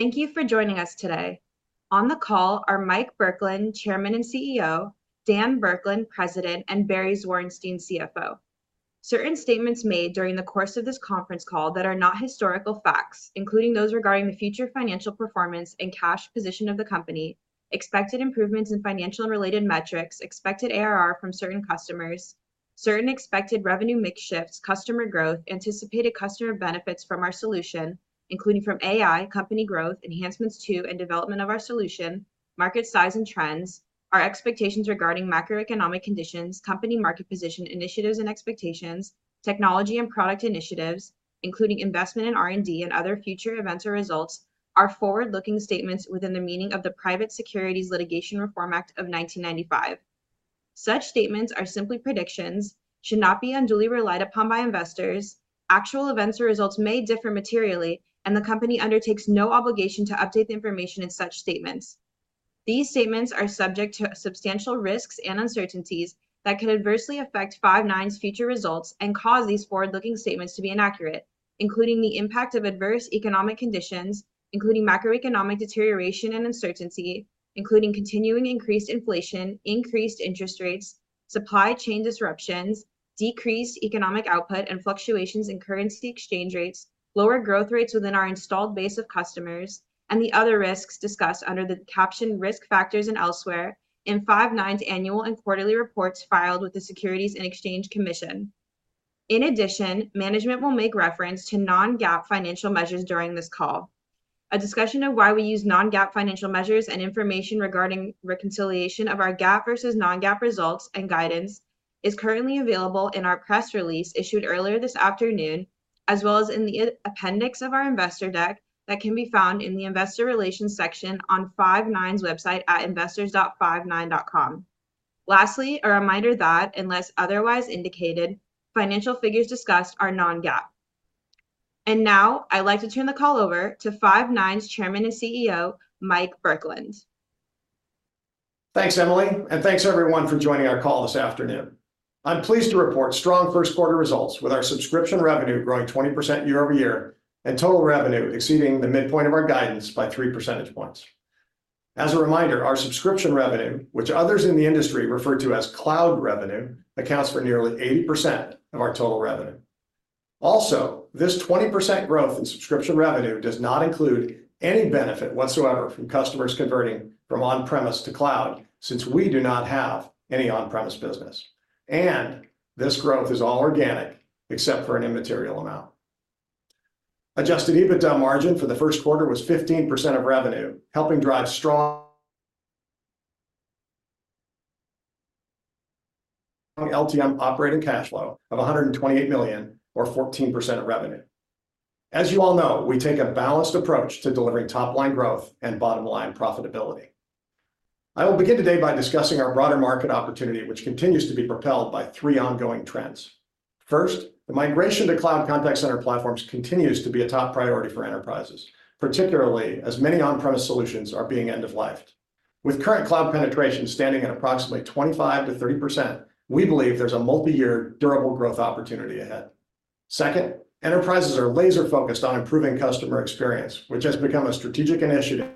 Thank you for joining us today. On the call are Mike Burkland, Chairman and CEO, Dan Burkland, President, and Barry Zwarenstein, CFO. Certain statements made during the course of this conference call that are not historical facts, including those regarding the future financial performance and cash position of the company, expected improvements in financial and related metrics, expected ARR from certain customers, certain expected revenue mix shifts, customer growth, anticipated customer benefits from our solution, including from AI, company growth, enhancements to and development of our solution, market size and trends, our expectations regarding macroeconomic conditions, company market position initiatives and expectations, technology and product initiatives, including investment in R&D and other future events or results, are forward-looking statements within the meaning of the Private Securities Litigation Reform Act of 1995. Such statements are simply predictions, should not be unduly relied upon by investors. Actual events or results may differ materially, and the company undertakes no obligation to update the information in such statements. These statements are subject to substantial risks and uncertainties that could adversely affect Five9's future results and cause these forward-looking statements to be inaccurate, including the impact of adverse economic conditions, including macroeconomic deterioration and uncertainty, including continuing increased inflation, increased interest rates, supply chain disruptions, decreased economic output, and fluctuations in currency exchange rates, lower growth rates within our installed base of customers, and the other risks discussed under the caption Risk Factors and elsewhere in Five9's annual and quarterly reports filed with the Securities and Exchange Commission. In addition, management will make reference to non-GAAP financial measures during this call. A discussion of why we use non-GAAP financial measures and information regarding reconciliation of our GAAP versus non-GAAP results and guidance is currently available in our press release issued earlier this afternoon, as well as in the appendix of our investor deck that can be found in the Investor Relations section on Five9's website at investors.five9.com. Lastly, a reminder that, unless otherwise indicated, financial figures discussed are non-GAAP. And now, I'd like to turn the call over to Five9's Chairman and CEO, Mike Burkland. Thanks, Emily, and thanks everyone for joining our call this afternoon. I'm pleased to report strong first quarter results, with our subscription revenue growing 20% year-over-year, and total revenue exceeding the midpoint of our guidance by 3 percentage points. As a reminder, our subscription revenue, which others in the industry refer to as cloud revenue, accounts for nearly 80% of our total revenue. Also, this 20% growth in subscription revenue does not include any benefit whatsoever from customers converting from on-premise to cloud, since we do not have any on-premise business, and this growth is all organic, except for an immaterial amount. Adjusted EBITDA margin for the first quarter was 15% of revenue, helping drive strong LTM operating cash flow of $128 million or 14% of revenue. As you all know, we take a balanced approach to delivering top-line growth and bottom-line profitability. I will begin today by discussing our broader market opportunity, which continues to be propelled by three ongoing trends. First, the migration to cloud contact center platforms continues to be a top priority for enterprises, particularly as many on-premise solutions are being end of lifed. With current cloud penetration standing at approximately 25%-30%, we believe there's a multi-year durable growth opportunity ahead. Second, enterprises are laser-focused on improving customer experience, which has become a strategic initiative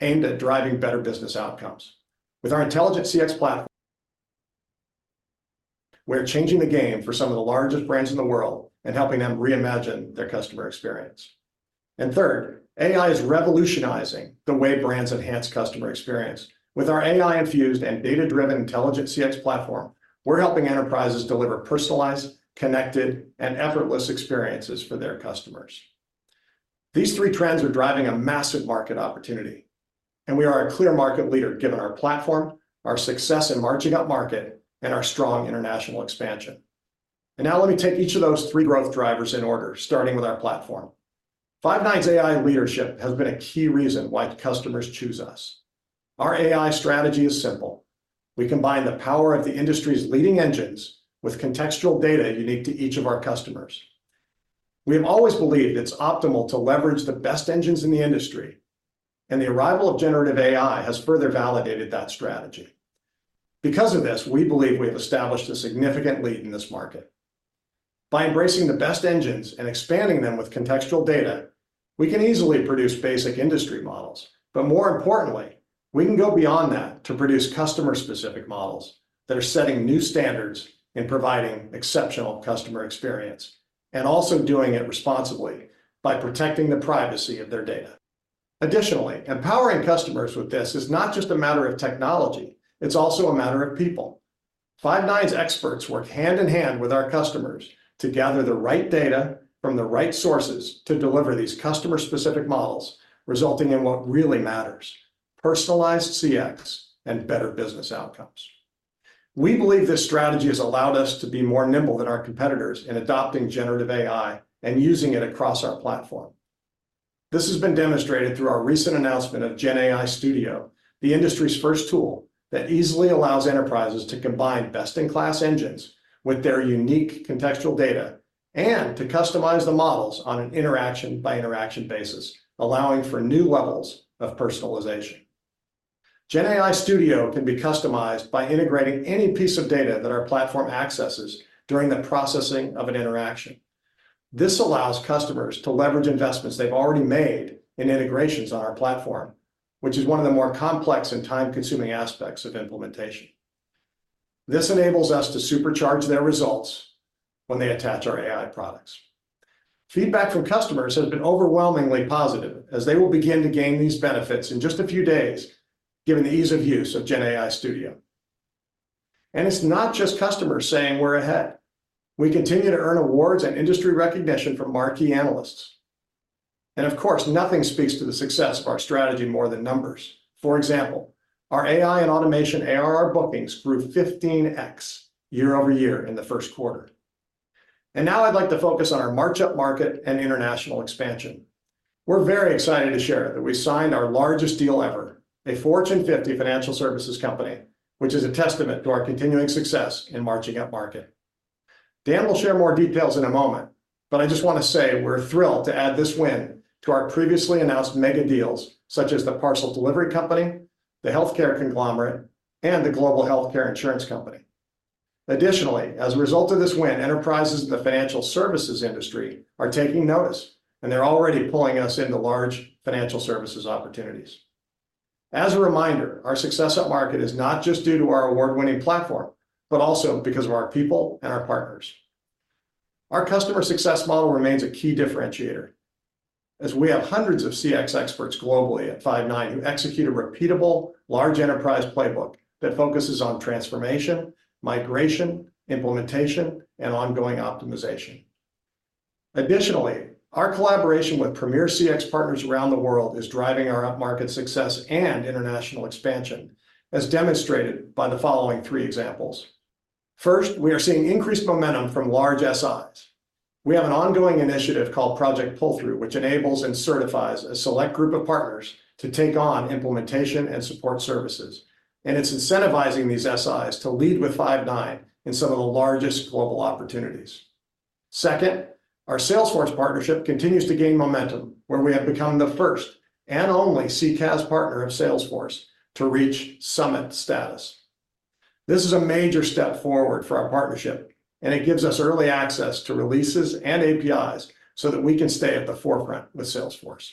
aimed at driving better business outcomes. With our Intelligent CX Platform, we're changing the game for some of the largest brands in the world and helping them reimagine their customer experience. And third, AI is revolutionizing the way brands enhance customer experience. With our AI-infused and data-driven intelligent CX platform, we're helping enterprises deliver personalized, connected, and effortless experiences for their customers. These three trends are driving a massive market opportunity, and we are a clear market leader, given our platform, our success in marching upmarket, and our strong international expansion. Now let me take each of those three growth drivers in order, starting with our platform. Five9's AI leadership has been a key reason why customers choose us. Our AI strategy is simple: We combine the power of the industry's leading engines with contextual data unique to each of our customers. We have always believed it's optimal to leverage the best engines in the industry, and the arrival of generative AI has further validated that strategy. Because of this, we believe we have established a significant lead in this market. By embracing the best engines and expanding them with contextual data, we can easily produce basic industry models, but more importantly, we can go beyond that to produce customer-specific models that are setting new standards in providing exceptional customer experience, and also doing it responsibly by protecting the privacy of their data. Additionally, empowering customers with this is not just a matter of technology, it's also a matter of people. Five9's experts work hand in hand with our customers to gather the right data from the right sources to deliver these customer-specific models, resulting in what really matters, personalized CX and better business outcomes. We believe this strategy has allowed us to be more nimble than our competitors in adopting generative AI and using it across our platform. This has been demonstrated through our recent announcement of GenAI Studio, the industry's first tool that easily allows enterprises to combine best-in-class engines with their unique contextual data and to customize the models on an interaction-by-interaction basis, allowing for new levels of personalization. GenAI Studio can be customized by integrating any piece of data that our platform accesses during the processing of an interaction. This allows customers to leverage investments they've already made in integrations on our platform, which is one of the more complex and time-consuming aspects of implementation. This enables us to supercharge their results when they attach our AI products. Feedback from customers has been overwhelmingly positive, as they will begin to gain these benefits in just a few days, given the ease of use of GenAI Studio. It's not just customers saying we're ahead. We continue to earn awards and industry recognition from marquee analysts. Of course, nothing speaks to the success of our strategy more than numbers. For example, our AI and automation ARR bookings grew 15x year-over-year in the first quarter. Now I'd like to focus on our march up market and international expansion. We're very excited to share that we signed our largest deal ever, a Fortune 50 financial services company, which is a testament to our continuing success in marching up market. Dan will share more details in a moment, but I just want to say we're thrilled to add this win to our previously announced mega deals, such as the parcel delivery company, the healthcare conglomerate, and the global healthcare insurance company. Additionally, as a result of this win, enterprises in the financial services industry are taking notice, and they're already pulling us into large financial services opportunities. As a reminder, our success up market is not just due to our award-winning platform, but also because of our people and our partners. Our customer success model remains a key differentiator, as we have hundreds of CX experts globally at Five9 who execute a repeatable, large enterprise playbook that focuses on transformation, migration, implementation, and ongoing optimization. Additionally, our collaboration with premier CX partners around the world is driving our up-market success and international expansion, as demonstrated by the following three examples. First, we are seeing increased momentum from large SIs. We have an ongoing initiative called Project Pull Through, which enables and certifies a select group of partners to take on implementation and support services, and it's incentivizing these SIs to lead with Five9 in some of the largest global opportunities. Second, our Salesforce partnership continues to gain momentum, where we have become the first and only CCaaS partner of Salesforce to reach Summit status. This is a major step forward for our partnership, and it gives us early access to releases and APIs so that we can stay at the forefront with Salesforce.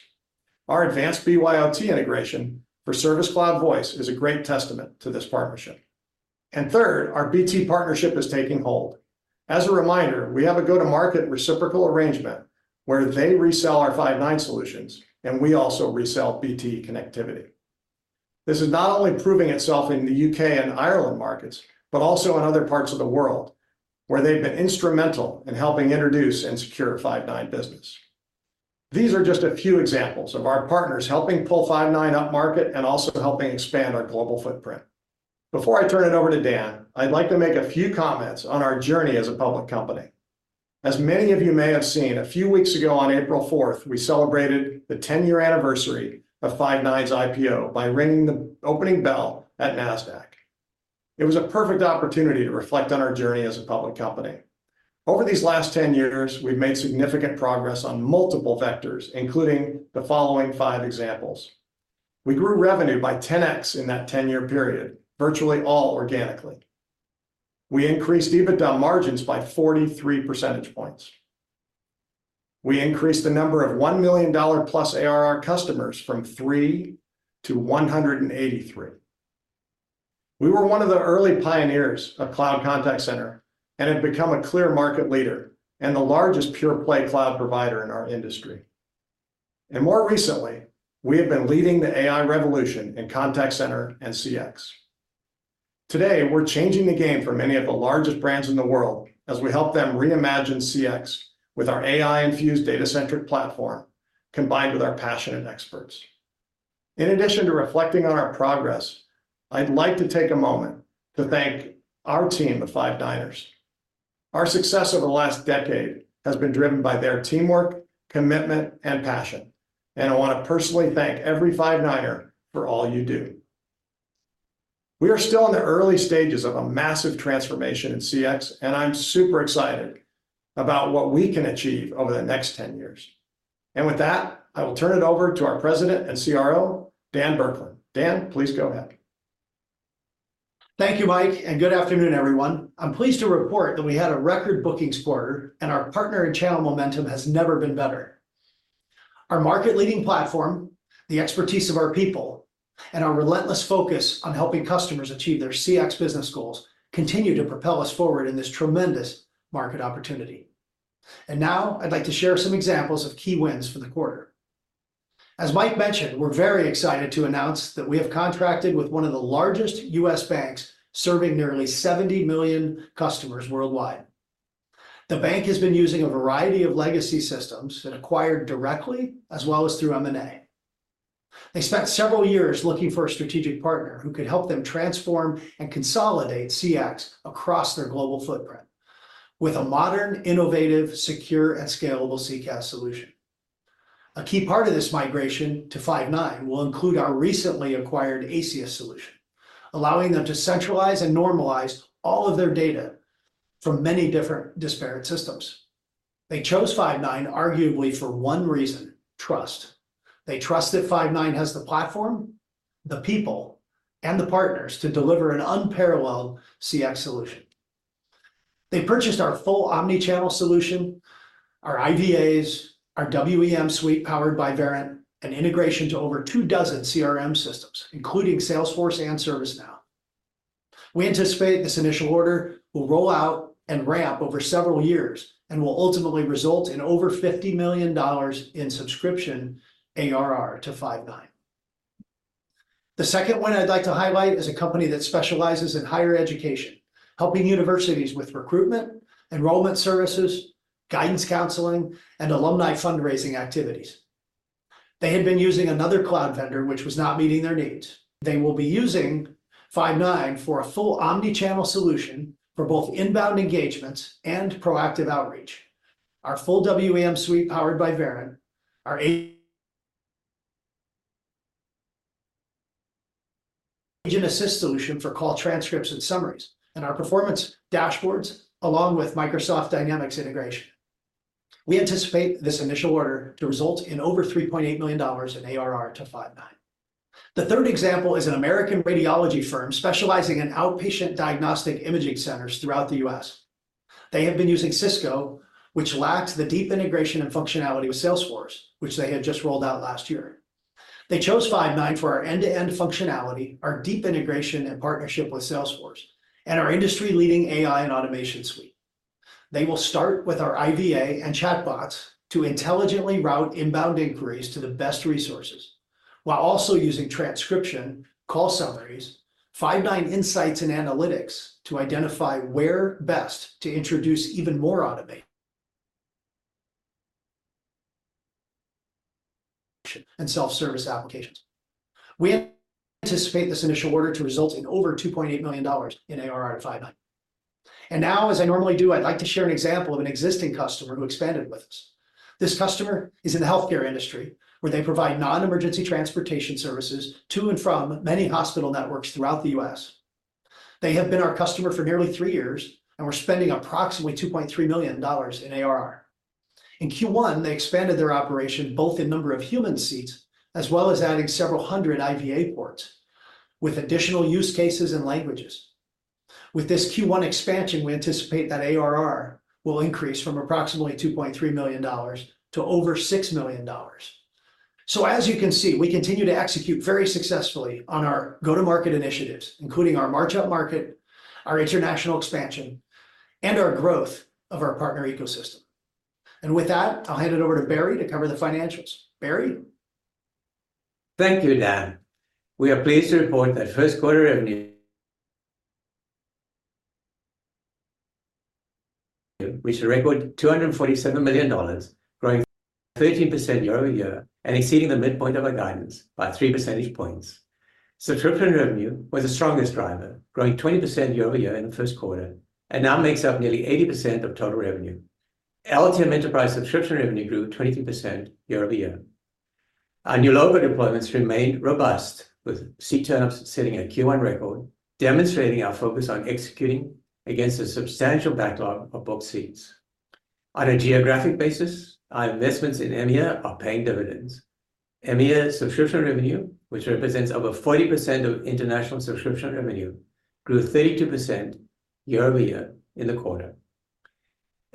Our advanced BYOT integration for Service Cloud Voice is a great testament to this partnership. And third, our BT partnership is taking hold. As a reminder, we have a go-to-market reciprocal arrangement where they resell our Five9 solutions, and we also resell BT connectivity. This is not only proving itself in the UK and Ireland markets, but also in other parts of the world, where they've been instrumental in helping introduce and secure Five9 business. These are just a few examples of our partners helping pull Five9 up market and also helping expand our global footprint. Before I turn it over to Dan, I'd like to make a few comments on our journey as a public company. As many of you may have seen, a few weeks ago, on April fourth, we celebrated the 10-year anniversary of Five9's IPO by ringing the opening bell at Nasdaq. It was a perfect opportunity to reflect on our journey as a public company. Over these last 10 years, we've made significant progress on multiple vectors, including the following five examples. We grew revenue by 10x in that 10-year period, virtually all organically. We increased EBITDA margins by 43 percentage points. We increased the number of $1 million+ ARR customers from 3 to 183. We were one of the early pioneers of Cloud Contact Center and have become a clear market leader and the largest pure play cloud provider in our industry. More recently, we have been leading the AI revolution in contact center and CX. Today, we're changing the game for many of the largest brands in the world as we help them reimagine CX with our AI-infused data-centric platform, combined with our passionate experts. In addition to reflecting on our progress, I'd like to take a moment to thank our team of Five Niners. Our success over the last decade has been driven by their teamwork, commitment, and passion, and I want to personally thank every Five Niner for all you do. We are still in the early stages of a massive transformation in CX, and I'm super excited about what we can achieve over the next 10 years. With that, I will turn it over to our President and CRO, Dan Burkland. Dan, please go ahead. Thank you, Mike, and good afternoon, everyone. I'm pleased to report that we had a record bookings quarter, and our partner and channel momentum has never been better. Our market-leading platform, the expertise of our people, and our relentless focus on helping customers achieve their CX business goals continue to propel us forward in this tremendous market opportunity. Now I'd like to share some examples of key wins for the quarter. As Mike mentioned, we're very excited to announce that we have contracted with one of the largest U.S. banks, serving nearly 70 million customers worldwide. The bank has been using a variety of legacy systems it acquired directly, as well as through M&A. They spent several years looking for a strategic partner who could help them transform and consolidate CX across their global footprint with a modern, innovative, secure, and scalable CCaaS solution. A key part of this migration to Five9 will include our recently acquired Aceyus solution, allowing them to centralize and normalize all of their data from many different disparate systems. They chose Five9 arguably for one reason: trust. They trust that Five9 has the platform, the people, and the partners to deliver an unparalleled CX solution. They purchased our full omni-channel solution, our IVAs, our WEM suite, powered by Verint, and integration to over two dozen CRM systems, including Salesforce and ServiceNow. We anticipate this initial order will roll out and ramp over several years and will ultimately result in over $50 million in subscription ARR to Five9. The second one I'd like to highlight is a company that specializes in higher education, helping universities with recruitment, enrollment services, guidance counseling, and alumni fundraising activities. They had been using another cloud vendor, which was not meeting their needs. They will be using Five9 for a full omni-channel solution for both inbound engagements and proactive outreach. Our full WEM suite, powered by Verint, our AI Agent Assist solution for call transcripts and summaries, and our performance dashboards, along with Microsoft Dynamics integration. We anticipate this initial order to result in over $3.8 million in ARR to Five9. The third example is an American radiology firm specializing in outpatient diagnostic imaging centers throughout the U.S. They have been using Cisco, which lacks the deep integration and functionality with Salesforce, which they had just rolled out last year. They chose Five9 for our end-to-end functionality, our deep integration and partnership with Salesforce, and our industry-leading AI and automation suite. They will start with our IVA and chatbots to intelligently route inbound inquiries to the best resources, while also using transcription, call summaries, Five9 Insights and analytics to identify where best to introduce even more automation, and self-service applications. We anticipate this initial order to result in over $2.8 million in ARR to Five9. And now, as I normally do, I'd like to share an example of an existing customer who expanded with us. This customer is in the healthcare industry, where they provide non-emergency transportation services to and from many hospital networks throughout the U.S. They have been our customer for nearly three years and were spending approximately $2.3 million in ARR. In Q1, they expanded their operation, both in number of human seats, as well as adding several hundred IVA ports, with additional use cases and languages. With this Q1 expansion, we anticipate that ARR will increase from approximately $2.3 million to over $6 million. So as you can see, we continue to execute very successfully on our go-to-market initiatives, including our March up market, our international expansion, and our growth of our partner ecosystem. And with that, I'll hand it over to Barry to cover the financials. Barry? Thank you, Dan. We are pleased to report that first quarter revenue reached a record $247 million, growing 13% year-over-year and exceeding the midpoint of our guidance by three percentage points. Subscription revenue was the strongest driver, growing 20% year-over-year in the first quarter, and now makes up nearly 80% of total revenue. LTM enterprise subscription revenue grew 23% year-over-year. Our new logo deployments remained robust, with seat turn-ups setting a Q1 record, demonstrating our focus on executing against a substantial backlog of booked seats. On a geographic basis, our investments in EMEA are paying dividends. EMEA subscription revenue, which represents over 40% of international subscription revenue, grew 32% year-over-year in the quarter.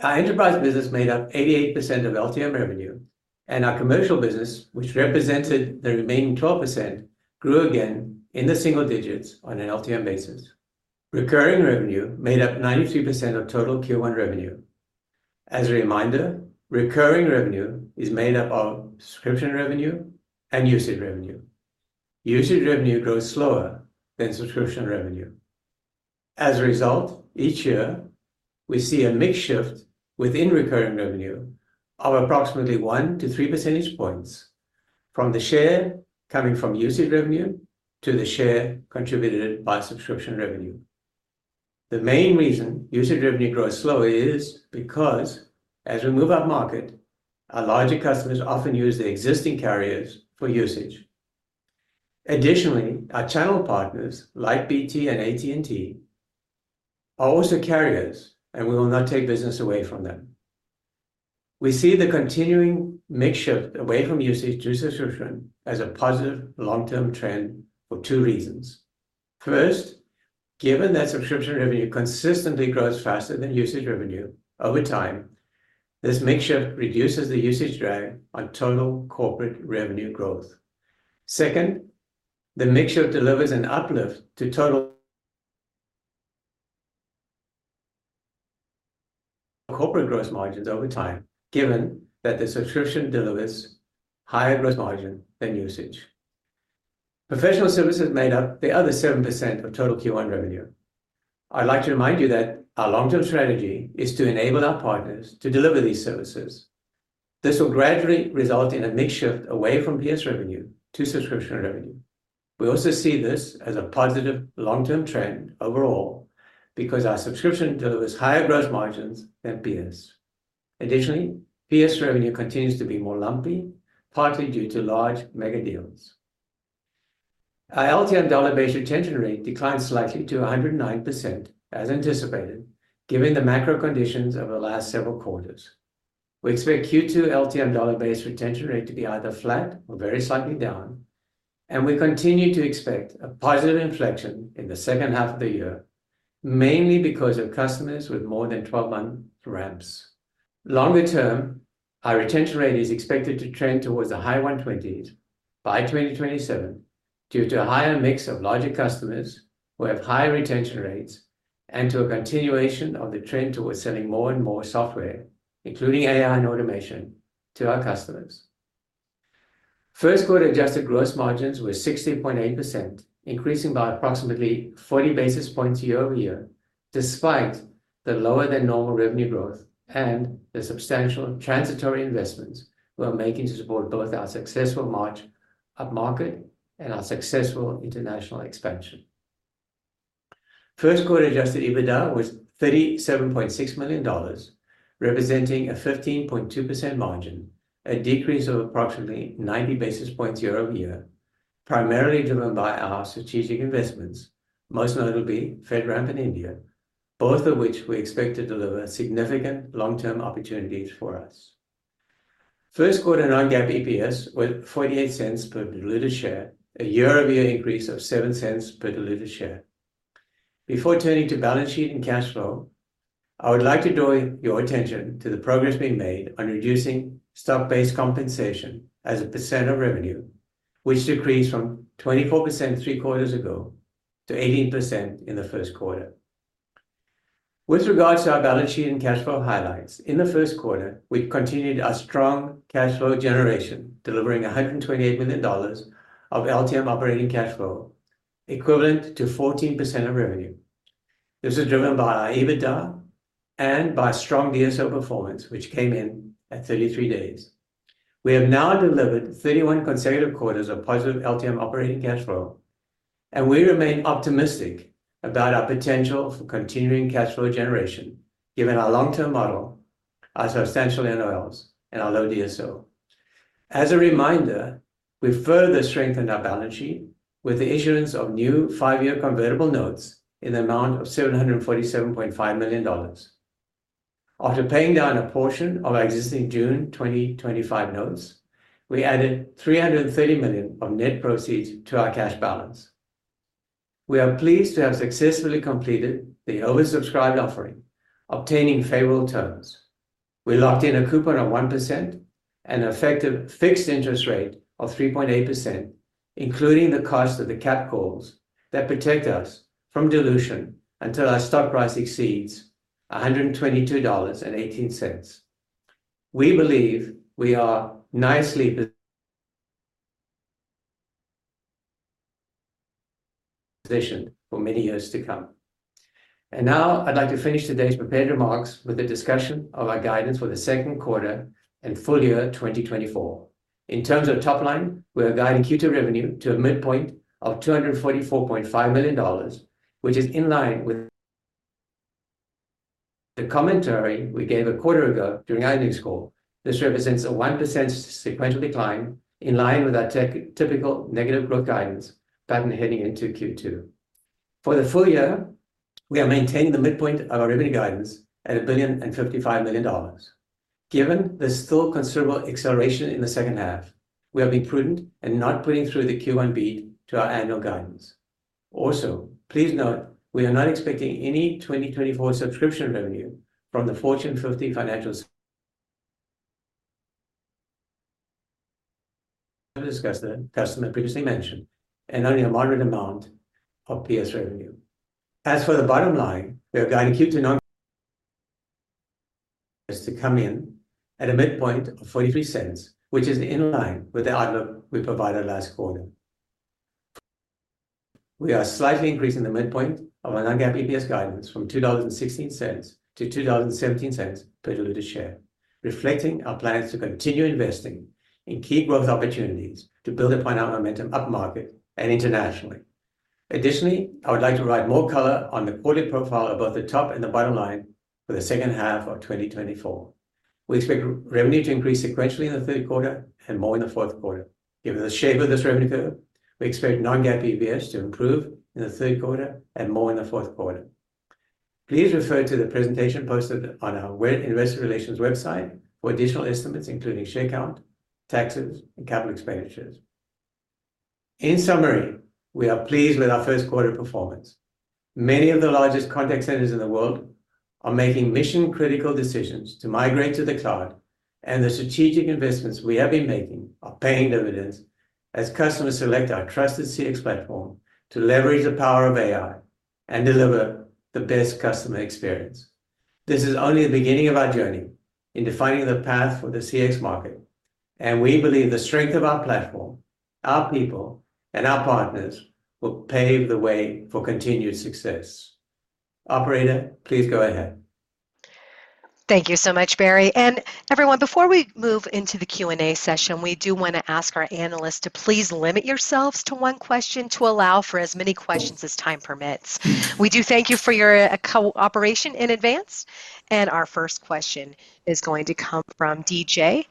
Our enterprise business made up 88% of LTM revenue, and our commercial business, which represented the remaining 12%, grew again in the single digits on an LTM basis. Recurring revenue made up 93% of total Q1 revenue. As a reminder, recurring revenue is made up of subscription revenue and usage revenue. Usage revenue grows slower than subscription revenue. As a result, each year we see a mix shift within recurring revenue of approximately 1-3 percentage points from the share coming from usage revenue to the share contributed by subscription revenue. The main reason usage revenue grows slower is because as we move up market, our larger customers often use the existing carriers for usage. Additionally, our channel partners, like BT and AT&T, are also carriers, and we will not take business away from them. We see the continuing mix shift away from usage to subscription as a positive long-term trend for two reasons. First, given that subscription revenue consistently grows faster than usage revenue over time, this mix shift reduces the usage drag on total corporate revenue growth. Second, the mix shift delivers an uplift to total, corporate gross margins over time, given that the subscription delivers higher gross margin than usage. Professional services made up the other 7% of total Q1 revenue. I'd like to remind you that our long-term strategy is to enable our partners to deliver these services. This will gradually result in a mix shift away from PS revenue to subscription revenue. We also see this as a positive long-term trend overall because our subscription delivers higher gross margins than PS.... Additionally, PS revenue continues to be more lumpy, partly due to large mega deals. Our LTM dollar-based retention rate declined slightly to 109%, as anticipated, given the macro conditions over the last several quarters. We expect Q2 LTM dollar-based retention rate to be either flat or very slightly down, and we continue to expect a positive inflection in the second half of the year, mainly because of customers with more than 12-month ramps. Longer term, our retention rate is expected to trend towards the high 120s by 2027, due to a higher mix of larger customers who have higher retention rates, and to a continuation of the trend towards selling more and more software, including AI and automation, to our customers. First quarter adjusted gross margins were 60.8%, increasing by approximately 40 basis points year-over-year, despite the lower than normal revenue growth and the substantial transitory investments we are making to support both our successful march upmarket and our successful international expansion. First quarter adjusted EBITDA was $37.6 million, representing a 15.2% margin, a decrease of approximately 90 basis points year-over-year, primarily driven by our strategic investments, most notably FedRAMP and India, both of which we expect to deliver significant long-term opportunities for us. First quarter non-GAAP EPS was $0.48 per diluted share, a year-over-year increase of $0.07 per diluted share. Before turning to balance sheet and cash flow, I would like to draw your attention to the progress we made on reducing stock-based compensation as a percent of revenue, which decreased from 24% three quarters ago to 18% in the first quarter. With regards to our balance sheet and cash flow highlights, in the first quarter, we continued our strong cash flow generation, delivering $128 million of LTM operating cash flow, equivalent to 14% of revenue. This is driven by our EBITDA and by strong DSO performance, which came in at 33 days. We have now delivered 31 consecutive quarters of positive LTM operating cash flow, and we remain optimistic about our potential for continuing cash flow generation, given our long-term model, our substantial NOLs, and our low DSO. As a reminder, we further strengthened our balance sheet with the issuance of new five-year convertible notes in the amount of $747.5 million. After paying down a portion of our existing June 2025 notes, we added $330 million of net proceeds to our cash balance. We are pleased to have successfully completed the oversubscribed offering, obtaining favorable terms. We locked in a coupon of 1% and an effective fixed interest rate of 3.8%, including the cost of the cap calls that protect us from dilution until our stock price exceeds $122.18. We believe we are nicely positioned for many years to come. Now I'd like to finish today's prepared remarks with a discussion of our guidance for the second quarter and full year 2024. In terms of top line, we are guiding Q2 revenue to a midpoint of $244.5 million, which is in line with the commentary we gave a quarter ago during our earnings call. This represents a 1% sequential decline, in line with our typical negative growth guidance pattern heading into Q2. For the full year, we are maintaining the midpoint of our revenue guidance at $1.055 billion. Given there's still considerable acceleration in the second half, we are being prudent and not putting through the Q1 beat to our annual guidance. Also, please note, we are not expecting any 2024 subscription revenue from the Fortune 50 financial institutions, as we discussed the customer previously mentioned, and only a moderate amount of PS revenue. As for the bottom line, we are guiding Q2 to non-GAAP EPS to come in at a midpoint of $0.43, which is in line with the outlook we provided last quarter. We are slightly increasing the midpoint of our non-GAAP EPS guidance from $2.16 to $2.17 per diluted share, reflecting our plans to continue investing in key growth opportunities to build upon our momentum upmarket and internationally. Additionally, I would like to provide more color on the quarterly profile of both the top and the bottom line for the second half of 2024. We expect revenue to increase sequentially in the third quarter and more in the fourth quarter. Given the shape of this revenue curve, we expect non-GAAP EPS to improve in the third quarter and more in the fourth quarter. Please refer to the presentation posted on our web investor relations website for additional estimates, including share count, taxes, and capital expenditures. In summary, we are pleased with our first quarter performance. Many of the largest contact centers in the world are making mission-critical decisions to migrate to the cloud, and the strategic investments we have been making are paying dividends as customers select our trusted CX platform to leverage the power of AI and deliver the best customer experience. This is only the beginning of our journey in defining the path for the CX market, and we believe the strength of our platform, our people, and our partners will pave the way for continued success. Operator, please go ahead. Thank you so much, Barry. Everyone, before we move into the Q&A session, we do want to ask our analysts to please limit yourselves to one question to allow for as many questions as time permits. We do thank you for your cooperation in advance, and our first question is going to come from DJ.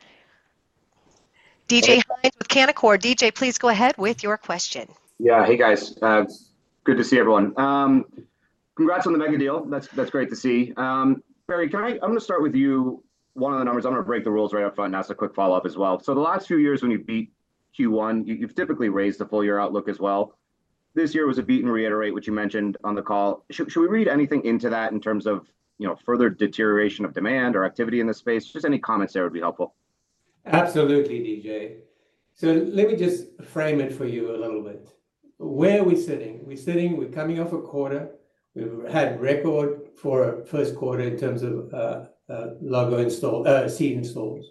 DJ Hynes with Canaccord. DJ, please go ahead with your question. Yeah. Hey, guys. Good to see everyone. Congrats on the mega deal. That's, that's great to see. Barry, can I- I'm gonna start with you. One of the numbers, I'm gonna break the rules right up front, and ask a quick follow-up as well. So the last few years when you beat Q1, you, you've typically raised the full year outlook as well. This year was a beat and reiterate, which you mentioned on the call. Should, should we read anything into that in terms of, you know, further deterioration of demand or activity in the space? Just any comments there would be helpful. Absolutely, DJ. So let me just frame it for you a little bit. Where are we sitting? We're sitting, we're coming off a quarter. We've had record for a first quarter in terms of logo install, seat installs.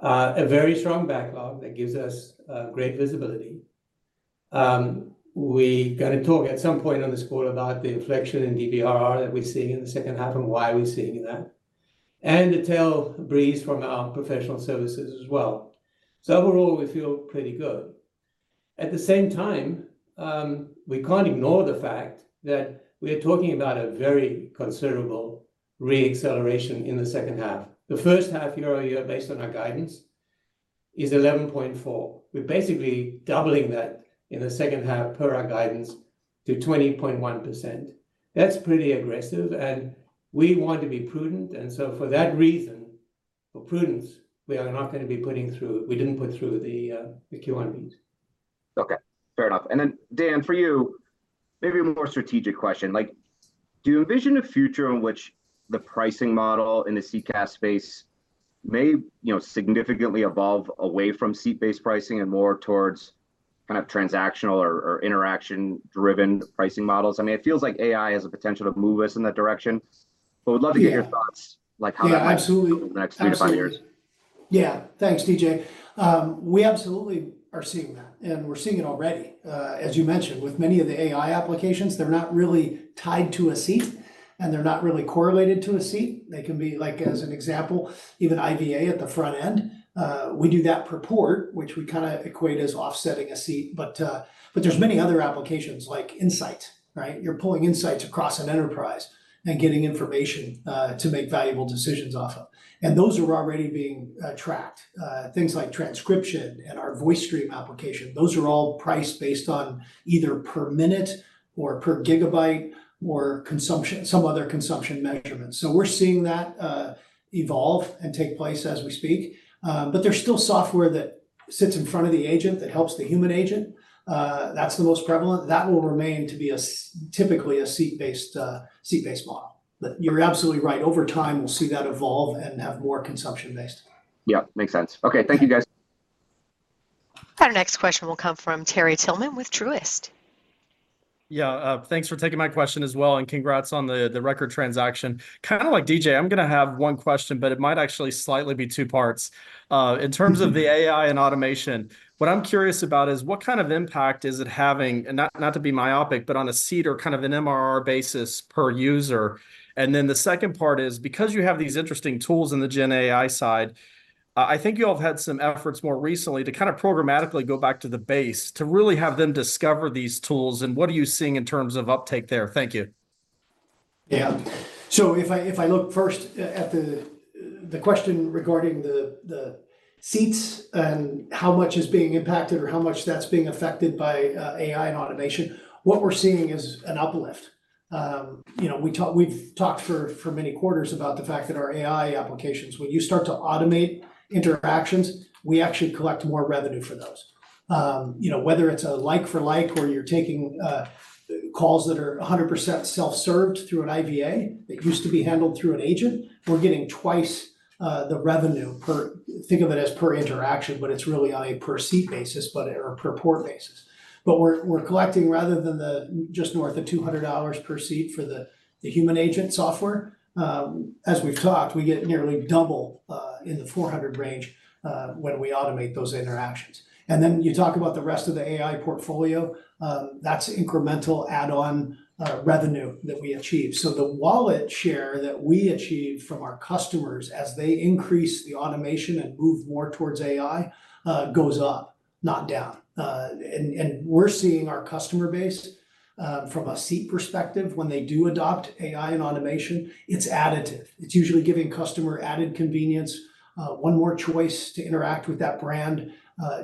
A very strong backlog that gives us great visibility. We got to talk at some point on this quarter about the inflection in DBRR that we're seeing in the second half and why we're seeing that, and the tailwind from our professional services as well. So overall, we feel pretty good. At the same time, we can't ignore the fact that we are talking about a very considerable re-acceleration in the second half. The first half year-over-year, based on our guidance, is 11.4%. We're basically doubling that in the second half per our guidance to 20.1%. That's pretty aggressive, and we want to be prudent, and so for that reason, for prudence, we are not gonna be putting through... We didn't put through the, the Q1 beat. Okay, fair enough. And then, Dan, for you, maybe a more strategic question. Like, do you envision a future in which the pricing model in the CCaaS space may, you know, significantly evolve away from seat-based pricing and more towards kind of transactional or, or interaction-driven pricing models? I mean, it feels like AI has the potential to move us in that direction, but would love to get your thoughts- Yeah. like, how that might look Yeah, absolutely in the next 3-5 years. Absolutely. Yeah. Thanks, DJ. We absolutely are seeing that, and we're seeing it already. As you mentioned, with many of the AI applications, they're not really tied to a seat, and they're not really correlated to a seat. They can be like, as an example, even IVA at the front end. We do that per port, which we kinda equate as offsetting a seat. But, but there's many other applications like Insight, right? You're pulling insights across an enterprise and getting information to make valuable decisions off of. And those are already being tracked. Things like transcription and our VoiceStream application, those are all priced based on either per minute or per gigabyte or consumption, some other consumption measurements. So we're seeing that evolve and take place as we speak. But there's still software that sits in front of the agent, that helps the human agent. That's the most prevalent. That will remain to be a typically seat-based model. But you're absolutely right. Over time, we'll see that evolve and have more consumption-based. Yeah, makes sense. Okay. Thank you, guys. Our next question will come from Terry Tillman with Truist. Yeah. Thanks for taking my question as well, and congrats on the record transaction. Kinda like DJ, I'm gonna have one question, but it might actually slightly be two parts. In terms of the AI and automation, what I'm curious about is, what kind of impact is it having, and not, not to be myopic, but on a seat or kind of an MRR basis per user? And then the second part is, because you have these interesting tools in the GenAI side, I think you all have had some efforts more recently to kind of programmatically go back to the base, to really have them discover these tools. And what are you seeing in terms of uptake there? Thank you. Yeah. So if I, if I look first at the, the question regarding the, the seats and how much is being impacted or how much that's being affected by AI and automation, what we're seeing is an uplift. You know, we've talked for, for many quarters about the fact that our AI applications, when you start to automate interactions, we actually collect more revenue for those. You know, whether it's a like-for-like where you're taking calls that are 100% self-served through an IVA, that used to be handled through an agent, we're getting twice the revenue per... Think of it as per interaction, but it's really on a per seat basis, but a per port basis. But we're collecting, rather than the just north of $200 per seat for the human agent software, as we've talked, we get nearly double in the $400 range when we automate those interactions. And then you talk about the rest of the AI portfolio, that's incremental add-on revenue that we achieve. So the wallet share that we achieve from our customers as they increase the automation and move more towards AI goes up, not down. And we're seeing our customer base from a seat perspective, when they do adopt AI and automation, it's additive. It's usually giving customer added convenience, one more choice to interact with that brand,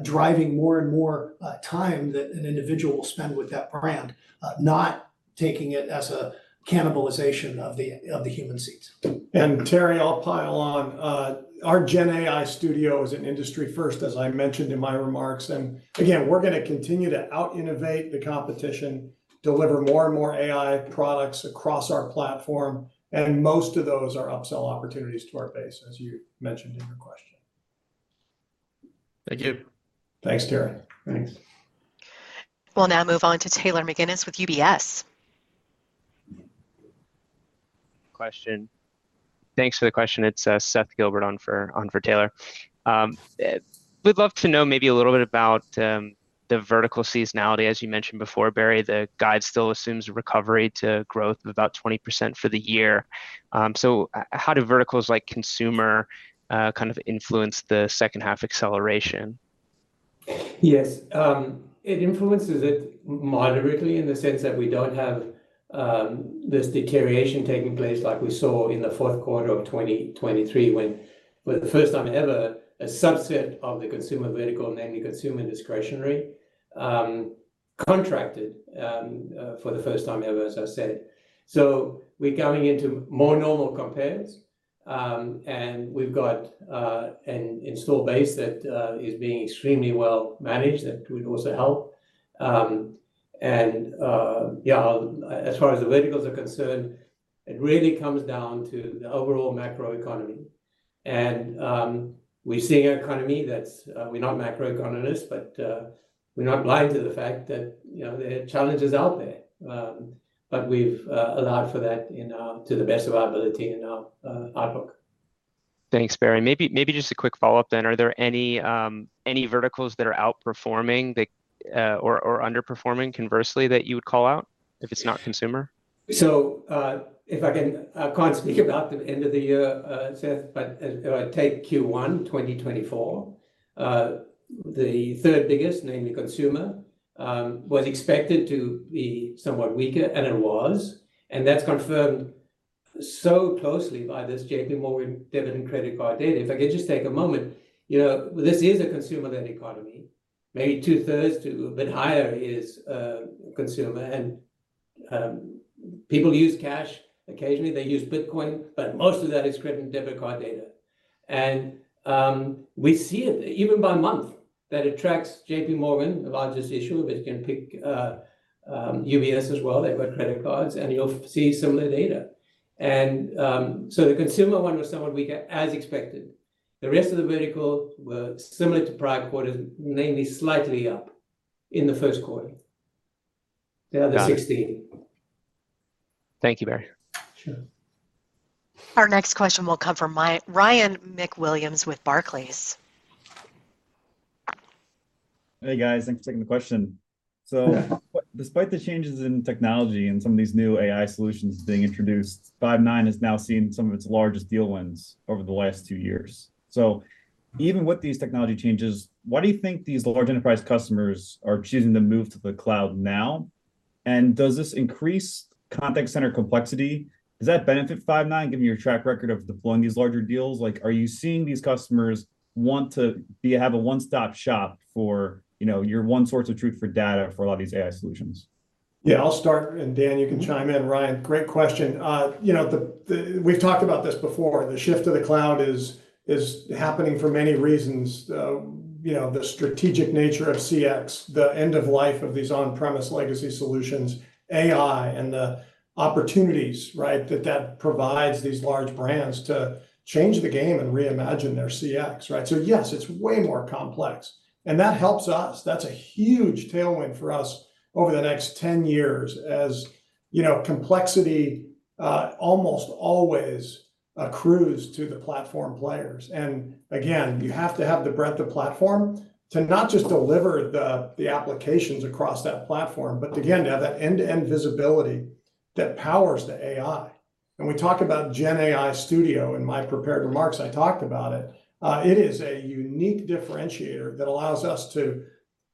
driving more and more time that an individual will spend with that brand, not taking it as a cannibalization of the human seats. And Terry, I'll pile on. Our GenAI Studio is an industry first, as I mentioned in my remarks, and again, we're gonna continue to out-innovate the competition, deliver more and more AI products across our platform, and most of those are upsell opportunities to our base, as you mentioned in your question. Thank you. Thanks, Terry. Thanks. We'll now move on to Taylor McGinnis with UBS. Question. Thanks for the question. It's Seth Gilbert on for Taylor. We'd love to know maybe a little bit about the-... the vertical seasonality, as you mentioned before, Barry, the guide still assumes a recovery to growth of about 20% for the year. So how do verticals like consumer kind of influence the second half acceleration? Yes. It influences it moderately in the sense that we don't have this deterioration taking place like we saw in the fourth quarter of 2023, when for the first time ever, a subset of the consumer vertical, namely consumer discretionary, contracted for the first time ever, as I said. So we're coming into more normal compares, and we've got an installed base that is being extremely well managed. That would also help. And, yeah, as far as the verticals are concerned, it really comes down to the overall macro economy. And we're seeing an economy that's... we're not macroeconomists, but we're not blind to the fact that, you know, there are challenges out there, but we've allowed for that, to the best of our ability, in our outlook. Thanks, Barry. Maybe just a quick follow-up then. Are there any verticals that are outperforming that, or underperforming conversely, that you would call out if it's not consumer? So, if I can, I can't speak about the end of the year, Seth, but if I take Q1 2024, the third biggest, namely consumer, was expected to be somewhat weaker, and it was. And that's confirmed so closely by this JPMorgan debit and credit card data. If I could just take a moment. You know, this is a consumer-led economy. Maybe two-thirds to a bit higher is consumer. And, people use cash occasionally, they use Bitcoin, but most of that is credit and debit card data. And, we see it even by month, that it tracks JPMorgan, the largest issuer, but you can pick UBS as well. They've got credit cards, and you'll see similar data. And, so the consumer one was somewhat weaker, as expected. The rest of the verticals were similar to prior quarters, namely slightly up in the first quarter. The other 16. Thank you, Barry. Sure. Our next question will come from Ryan MacWilliams with Barclays. Hey, guys, thanks for taking the question. Yeah. Despite the changes in technology and some of these new AI solutions being introduced, Five9 has now seen some of its largest deal wins over the last two years. Even with these technology changes, why do you think these large enterprise customers are choosing to move to the cloud now? And does this increase contact center complexity? Does that benefit Five9, given your track record of deploying these larger deals? Like, are you seeing these customers want to be, have a one-stop shop for, you know, your one source of truth for data for a lot of these AI solutions? Yeah, I'll start, and Dan, you can chime in. Ryan, great question. You know, we've talked about this before. The shift to the cloud is happening for many reasons. You know, the strategic nature of CX, the end of life of these on-premise legacy solutions, AI, and the opportunities, right, that provides these large brands to change the game and reimagine their CX, right? So yes, it's way more complex, and that helps us. That's a huge tailwind for us over the next 10 years. As you know, complexity almost always accrues to the platform players. And again, you have to have the breadth of platform to not just deliver the applications across that platform, but again, to have that end-to-end visibility that powers the AI. And we talk about GenAI Studio in my prepared remarks, I talked about it. It is a unique differentiator that allows us to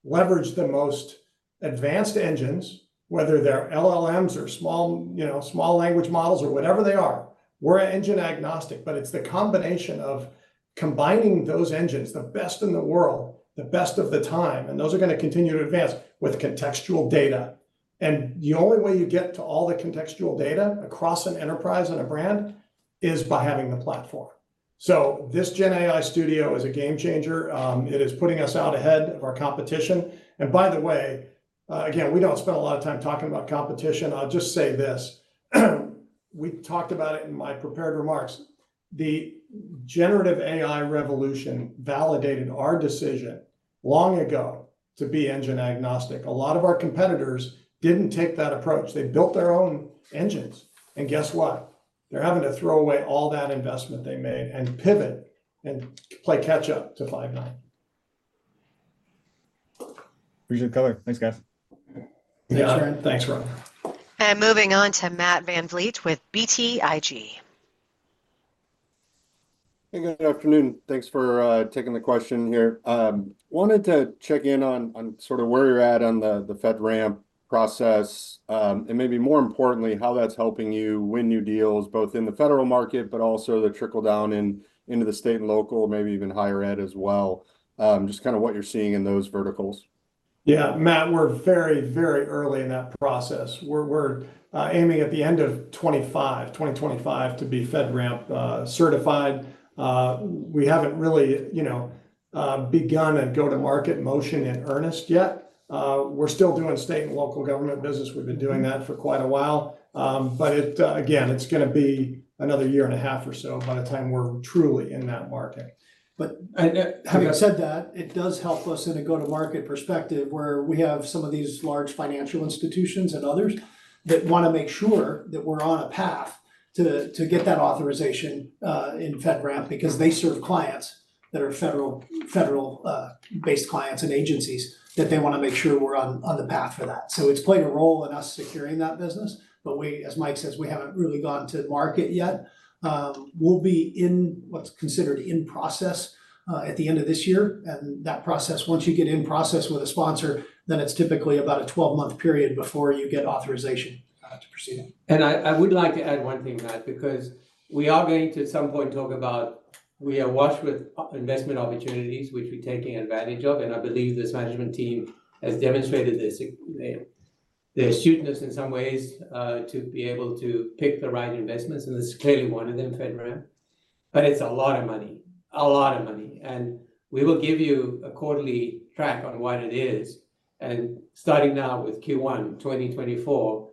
leverage the most advanced engines, whether they're LLMs or small, you know, small language models or whatever they are. We're engine agnostic, but it's the combination of combining those engines, the best in the world, the best of the time, and those are gonna continue to advance with contextual data. And the only way you get to all the contextual data across an enterprise and a brand is by having the platform. So this GenAI Studio is a game changer. It is putting us out ahead of our competition. And by the way, again, we don't spend a lot of time talking about competition. I'll just say this: we talked about it in my prepared remarks. The generative AI revolution validated our decision long ago to be engine agnostic. A lot of our competitors didn't take that approach. They built their own engines, and guess what? They're having to throw away all that investment they made and pivot and play catch-up to Five9. Appreciate the color. Thanks, guys. Yeah, thanks, Ryan. Moving on to Matt Van Fleet with BTIG. Hey, good afternoon. Thanks for taking the question here. Wanted to check in on, on sort of where you're at on the, the FedRAMP process, and maybe more importantly, how that's helping you win new deals, both in the federal market but also the trickle-down in, into the state and local, maybe even higher ed as well. Just kinda what you're seeing in those verticals. Yeah, Matt, we're very, very early in that process. We're aiming at the end of 2025 to be FedRAMP certified. We haven't really, you know, begun a go-to-market motion in earnest yet. We're still doing state and local government business. We've been doing that for quite a while. But it... again, it's gonna be another year and a half or so by the time we're truly in that market. But, and having said that, it does help us in a go-to-market perspective, where we have some of these large financial institutions and others-... that want to make sure that we're on a path to get that authorization in FedRAMP, because they serve clients that are federal based clients and agencies, that they want to make sure we're on the path for that. So it's played a role in us securing that business. But we, as Mike says, we haven't really gone to market yet. We'll be in what's considered in process at the end of this year. And that process, once you get in process with a sponsor, then it's typically about a 12-month period before you get authorization to proceed. And I, I would like to add one thing to that, because we are going to at some point talk about we are awash with investment opportunities, which we're taking advantage of, and I believe this management team has demonstrated their, their astuteness in some ways, to be able to pick the right investments, and this is clearly one of them, FedRAMP. But it's a lot of money. A lot of money. And we will give you a quarterly track on what it is. And starting now with Q1, 2024,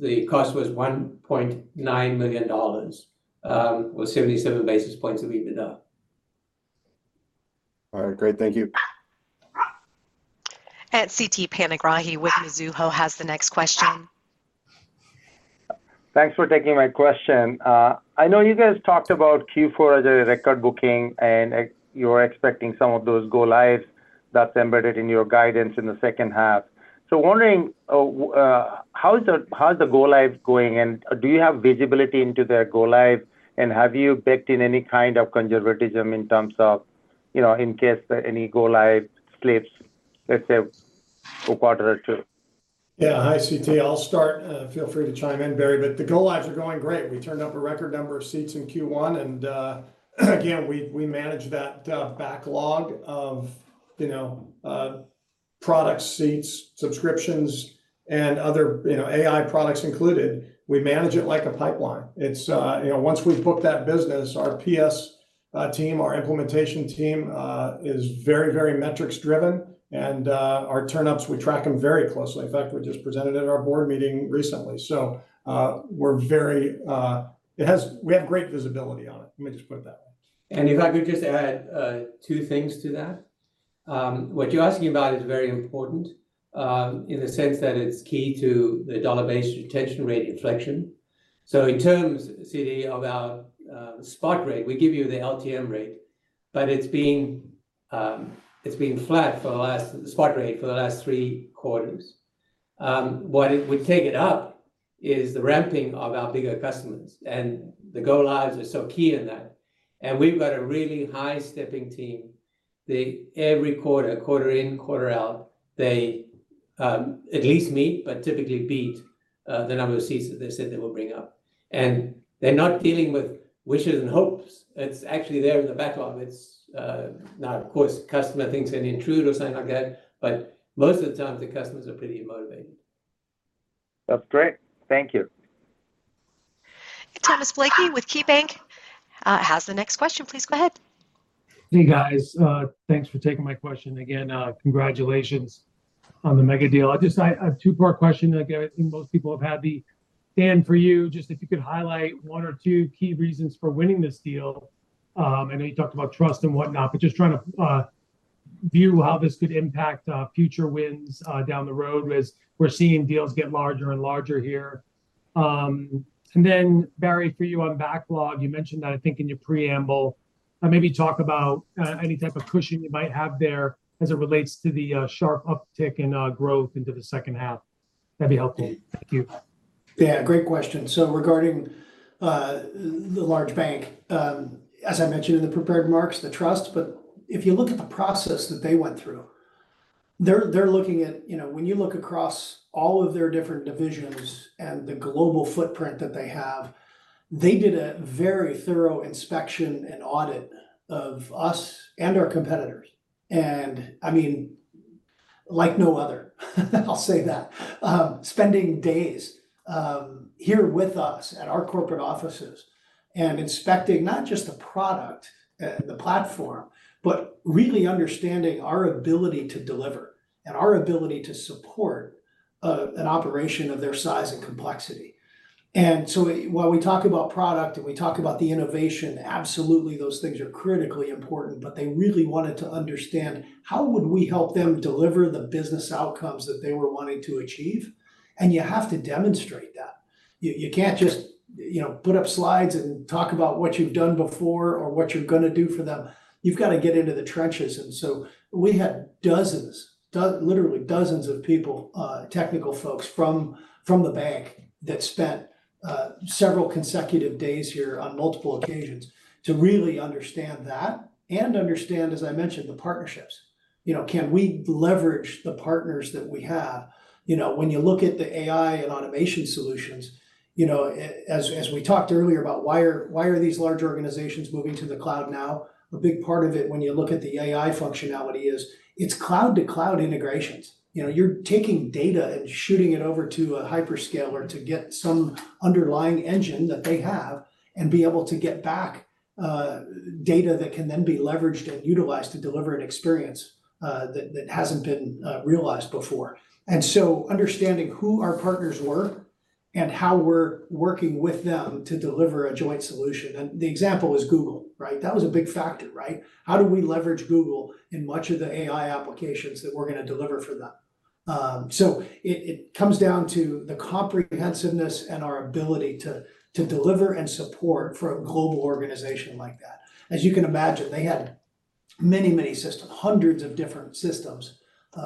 the cost was $1.9 million, or 77 basis points of EBITDA. All right. Great. Thank you. Siti Panigrahi with Mizuho has the next question. Thanks for taking my question. I know you guys talked about Q4 as a record booking, and you're expecting some of those go lives that's embedded in your guidance in the second half. So wondering, how is the go lives going, and do you have visibility into their go live? And have you baked in any kind of conservatism in terms of, you know, in case any go live slips, let's say, for quarter two? Yeah. Hi, Siti. I'll start. Feel free to chime in, Barry, but the go lives are going great. We turned up a record number of seats in Q1, and again, we managed that backlog of, you know, product seats, subscriptions, and other, you know, AI products included. We manage it like a pipeline. It's. You know, once we book that business, our PS team, our implementation team, is very, very metrics-driven. And our turn-ups, we track them very closely. In fact, we just presented at our board meeting recently. So, we're very. We have great visibility on it, let me just put it that way. If I could just add two things to that. What you're asking about is very important, in the sense that it's key to the dollar-based retention rate inflection. So in terms, CT, of our spot rate, we give you the LTM rate, but it's been flat for the last, the spot rate for the last three quarters. What it would take it up is the ramping of our bigger customers, and the go lives are so key in that. And we've got a really high stepping team. They, every quarter, quarter in, quarter out, they at least meet, but typically beat the number of seats that they said they will bring up. And they're not dealing with wishes and hopes. It's actually there in the backlog. It's now, of course, customer things can intrude or something like that, but most of the times, the customers are pretty motivated. That's great. Thank you. Thomas Blakey with KeyBanc, has the next question. Please go ahead. Hey, guys. Thanks for taking my question again. Congratulations on the mega deal. I have a two-part question. Dan, for you, just if you could highlight one or two key reasons for winning this deal. I know you talked about trust and whatnot, but just trying to view how this could impact future wins down the road as we're seeing deals get larger and larger here. And then, Barry, for you on backlog, you mentioned that, I think in your preamble, maybe talk about any type of cushion you might have there as it relates to the sharp uptick in growth into the second half. That'd be helpful. Thank you. Yeah, great question. So regarding the large bank, as I mentioned in the prepared remarks, Truist, but if you look at the process that they went through, they're looking at, you know, when you look across all of their different divisions and the global footprint that they have, they did a very thorough inspection and audit of us and our competitors. And I mean, like no other, I'll say that. Spending days here with us at our corporate offices and inspecting not just the product and the platform, but really understanding our ability to deliver and our ability to support an operation of their size and complexity. And so while we talk about product and we talk about the innovation, absolutely, those things are critically important, but they really wanted to understand, how would we help them deliver the business outcomes that they were wanting to achieve? And you have to demonstrate that. You, you can't just, you know, put up slides and talk about what you've done before or what you're gonna do for them. You've got to get into the trenches, and so we had dozens, literally dozens of people, technical folks from, from the bank that spent, several consecutive days here on multiple occasions to really understand that and understand, as I mentioned, the partnerships. You know, can we leverage the partners that we have? You know, when you look at the AI and automation solutions, you know, as we talked earlier about, why are these large organizations moving to the cloud now? A big part of it, when you look at the AI functionality, is, it's cloud-to-cloud integrations. You know, you're taking data and shooting it over to a hyperscaler to get some underlying engine that they have and be able to get back, data that can then be leveraged and utilized to deliver an experience, that hasn't been realized before. And so understanding who our partners were and how we're working with them to deliver a joint solution. And the example is Google, right? That was a big factor, right? How do we leverage Google in much of the AI applications that we're gonna deliver for them? So it comes down to the comprehensiveness and our ability to deliver and support for a global organization like that. As you can imagine, they had many, many systems, hundreds of different systems.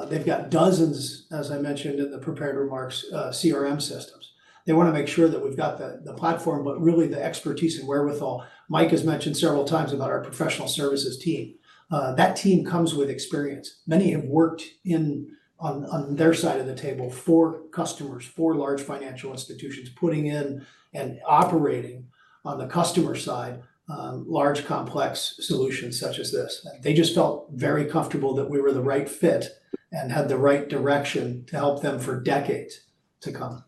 They've got dozens, as I mentioned in the prepared remarks, CRM systems. They wanna make sure that we've got the platform, but really the expertise and wherewithal. Mike has mentioned several times about our professional services team. That team comes with experience. Many have worked on their side of the table for customers, for large financial institutions, putting in and operating on the customer side, large, complex solutions such as this. They just felt very comfortable that we were the right fit and had the right direction to help them for decades to come.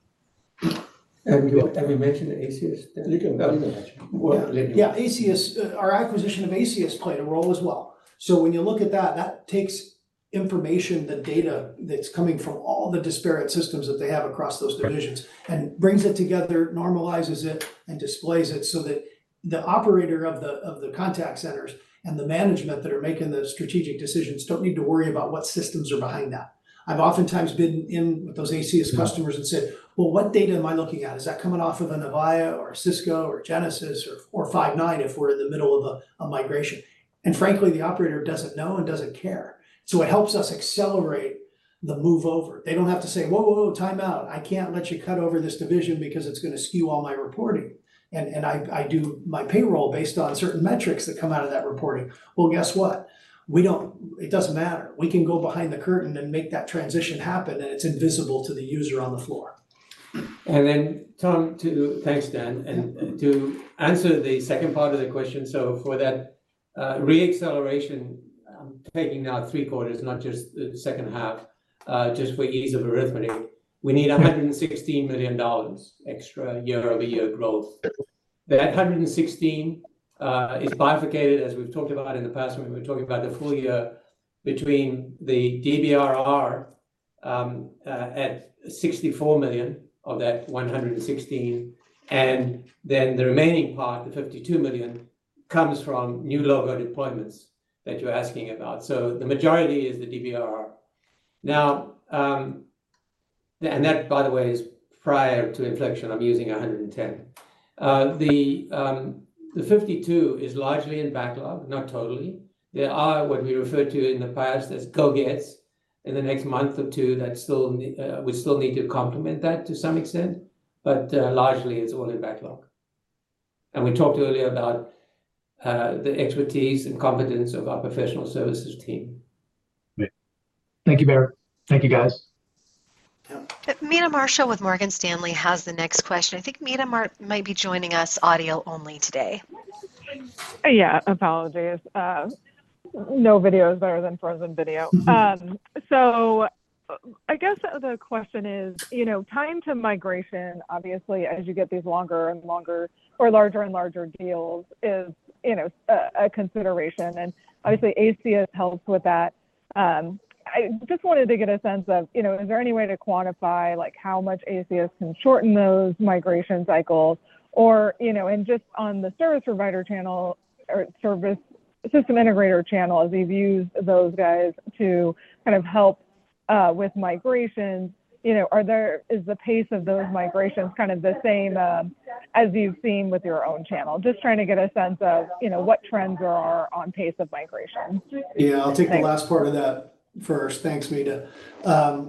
Have we mentioned Aceyus? A little bit. We can mention. Well, yeah, Aceyus, our acquisition of Aceyus played a role as well. So when you look at that, that takes information, the data that's coming from all the disparate systems that they have across those divisions and brings it together, normalizes it, and displays it, so that the operator of the, of the contact centers and the management that are making the strategic decisions don't need to worry about what systems are behind that. I've oftentimes been in with those Aceyus customers- Mm. and said, "Well, what data am I looking at? Is that coming off of an Avaya or a Cisco, or Genesys or, or Five9 if we're in the middle of a, a migration?" And frankly, the operator doesn't know and doesn't care. So it helps us accelerate the move over. They don't have to say, "Whoa, whoa, whoa, time out. I can't let you cut over this division because it's gonna skew all my reporting. And I do my payroll based on certain metrics that come out of that reporting." Well, guess what? We don't... It doesn't matter. We can go behind the curtain and make that transition happen, and it's invisible to the user on the floor. And then, Tom, thanks, Dan. To answer the second part of the question, so for that re-acceleration, I'm taking now three quarters, not just the second half, just for ease of arithmetic. We need $116 million extra year-over-year growth. That 116 is bifurcated, as we've talked about in the past, when we were talking about the full year between the DBRR at $64 million of that 116, and then the remaining part, the $52 million, comes from new logo deployments that you're asking about. So the majority is the DBRR. Now, and that, by the way, is prior to inflection, I'm using 110. The 52 is largely in backlog, not totally. There are what we referred to in the past as go-gets in the next month or two that still, we still need to complement that to some extent, but largely it's all in backlog. And we talked earlier about the expertise and competence of our professional services team. Yeah. Thank you, Barry. Thank you, guys. Meta Marshall with Morgan Stanley has the next question. I think Meta Marshall might be joining us audio only today. Yeah, apologies. No video is better than frozen video. So I guess the question is, you know, time to migration, obviously, as you get these longer and longer or larger and larger deals, is, you know, a consideration, and obviously, Aceyus helps with that. I just wanted to get a sense of, you know, is there any way to quantify, like, how much Aceyus can shorten those migration cycles? Or, you know, and just on the service provider channel or systems integrator channel, as you've used those guys to kind of help with migrations, you know, is the pace of those migrations kind of the same, as you've seen with your own channel? Just trying to get a sense of, you know, what trends are on pace of migration. Yeah, I'll take the last part of that first. Thanks, Meta.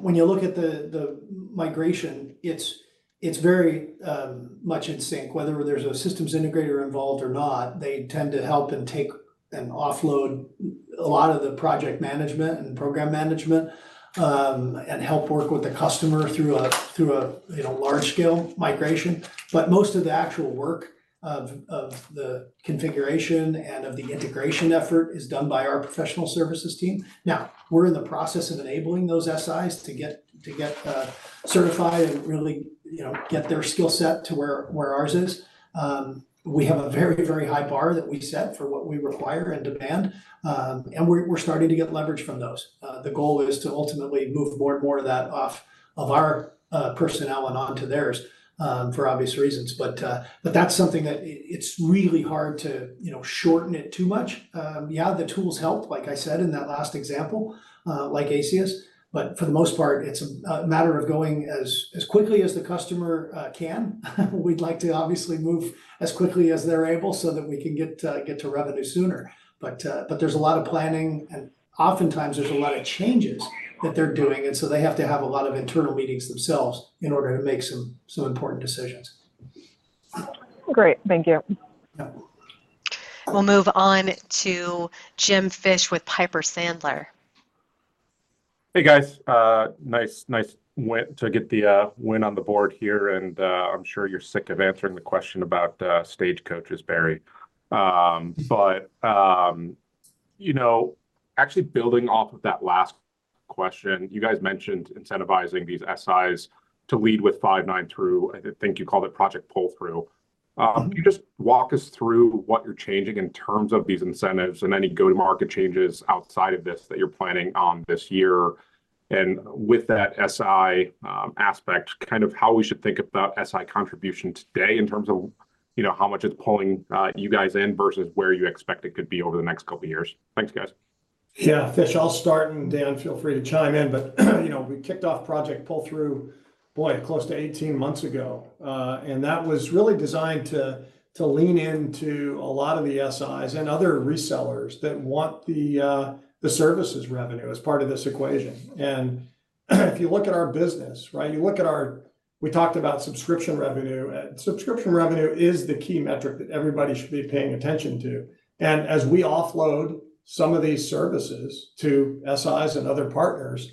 When you look at the migration, it's very much in sync. Whether there's a systems integrator involved or not, they tend to help and take and offload a lot of the project management and program management, and help work with the customer through a you know large-scale migration. But most of the actual work of the configuration and of the integration effort is done by our professional services team. Now, we're in the process of enabling those SIs to get certified and really you know get their skill set to where ours is. We have a very very high bar that we set for what we require and demand, and we're starting to get leverage from those. The goal is to ultimately move more and more of that off of our personnel and on to theirs, for obvious reasons. But, but that's something that it, it's really hard to, you know, shorten it too much. Yeah, the tools help, like I said in that last example, like Aceyus, but for the most part, it's a matter of going as quickly as the customer can. We'd like to obviously move as quickly as they're able so that we can get to revenue sooner. But, but there's a lot of planning, and oftentimes there's a lot of changes that they're doing, and so they have to have a lot of internal meetings themselves in order to make some important decisions. Great. Thank you. Yeah. We'll move on to Jim Fish with Piper Sandler. Hey, guys. Nice, nice win to get the win on the board here, and I'm sure you're sick of answering the question about Stagecoaches, Barry. But you know, actually building off of that last question, you guys mentioned incentivizing these SIs to lead with Five9 through, I think you called it Project Pull Through.... Can you just walk us through what you're changing in terms of these incentives and any go-to-market changes outside of this that you're planning on this year? And with that SI aspect, kind of how we should think about SI contribution today in terms of, you know, how much it's pulling you guys in versus where you expect it could be over the next couple years? Thanks, guys. Yeah, Fish, I'll start, and Dan, feel free to chime in. But you know, we kicked off Project Pull Through, boy, close to 18 months ago. And that was really designed to lean into a lot of the SIs and other resellers that want the services revenue as part of this equation. And if you look at our business, right, you look at our... We talked about subscription revenue, and subscription revenue is the key metric that everybody should be paying attention to. And as we offload some of these services to SIs and other partners,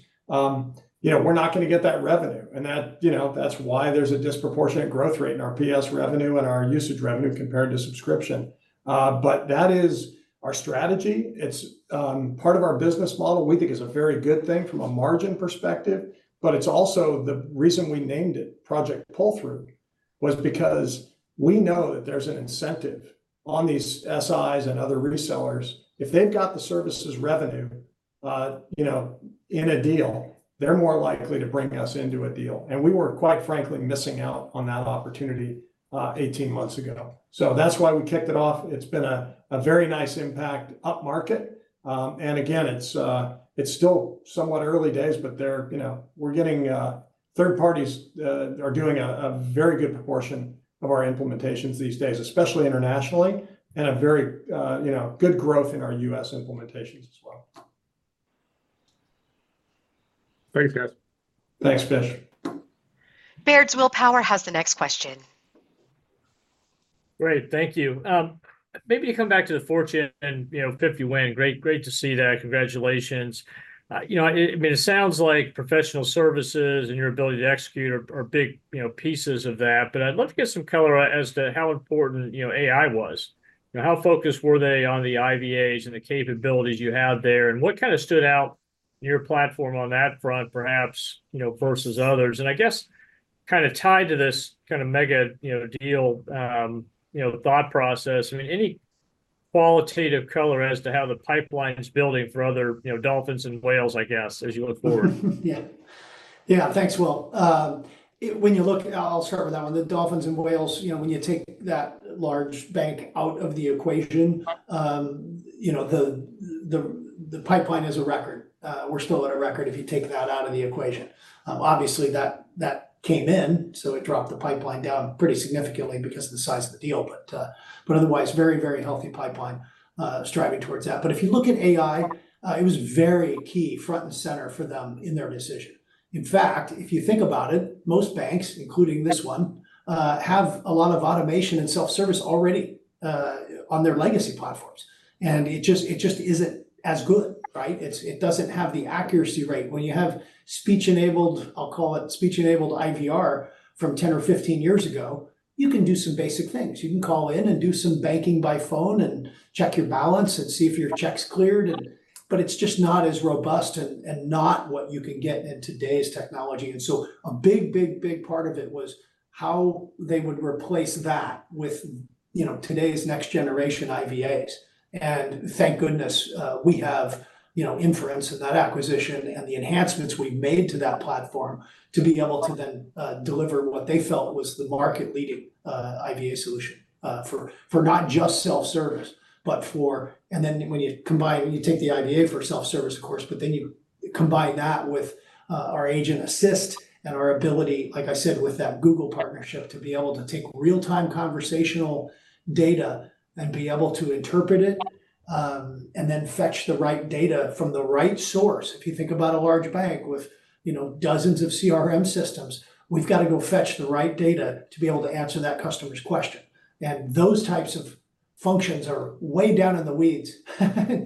you know, we're not gonna get that revenue. And that, you know, that's why there's a disproportionate growth rate in our PS revenue and our usage revenue compared to subscription. But that is our strategy. It's part of our business model. We think it's a very good thing from a margin perspective, but it's also the reason we named it Project Pull Through, was because we know that there's an incentive on these SIs and other resellers. If they've got the services revenue, you know, in a deal, they're more likely to bring us into a deal, and we were, quite frankly, missing out on that opportunity, 18 months ago. So that's why we kicked it off. It's been a very nice impact upmarket. And again, it's still somewhat early days, but they're, you know, we're getting third parties are doing a very good proportion of our implementations these days, especially internationally, and a very, you know, good growth in our U.S. implementations as well. Thanks, guys. Thanks, Fish. Baird's Will Power has the next question. Great, thank you. Maybe to come back to the Fortune 50 win, great, great to see that. Congratulations. You know, it, I mean, it sounds like professional services and your ability to execute are, are big, you know, pieces of that. But I'd love to get some color as to how important, you know, AI was. You know, how focused were they on the IVAs and the capabilities you have there, and what kind of stood out in your platform on that front, perhaps, you know, versus others? And I guess, kind of tied to this kind of mega, you know, deal, you know, thought process, I mean, any qualitative color as to how the pipeline is building for other, you know, dolphins and whales, I guess, as you look forward? Yeah. Yeah, thanks, Will. When you look... I'll start with that one. The dolphins and whales, you know, when you take that large bank out of the equation, you know, the pipeline is a record. We're still at a record if you take that out of the equation. Obviously, that came in, so it dropped the pipeline down pretty significantly because of the size of the deal. But otherwise, very, very healthy pipeline, striving towards that. But if you look at AI, it was very key, front and center for them in their decision. In fact, if you think about it, most banks, including this one, have a lot of automation and self-service already on their legacy platforms, and it just isn't as good, right? It doesn't have the accuracy rate. When you have speech-enabled, I'll call it speech-enabled IVR from 10 or 15 years ago, you can do some basic things. You can call in and do some banking by phone and check your balance and see if your check's cleared and... But it's just not as robust and not what you can get in today's technology. And so a big, big, big part of it was how they would replace that with, you know, today's next generation IVAs. And thank goodness, we have, you know, Inference in that acquisition and the enhancements we made to that platform to be able to then deliver what they felt was the market-leading IVA solution for, for not just self-service, but for— And then when you combine, when you take the IVA for self-service, of course, but then you combine that with our Agent Assist and our ability, like I said, with that Google partnership, to be able to take real-time conversational data and be able to interpret it and then fetch the right data from the right source. If you think about a large bank with, you know, dozens of CRM systems, we've got to go fetch the right data to be able to answer that customer's question. Those types of functions are way down in the weeds,